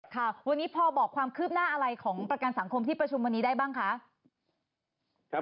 ค่ะวันนี้พอบอกความคืบหน้าอะไรของประกันสังคมที่ประชุมวันนี้ได้บ้างคะ